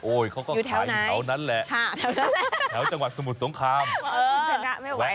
โอ้ยเขาก็ขายอยู่แถวนั้นแหละแถวจังหวัดสมุดสงครามแถวจังหวัดสมุดสงครามอยู่แถวนั้นแหละ